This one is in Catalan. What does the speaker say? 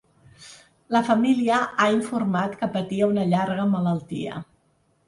La família ha informat que patia una llarga malaltia.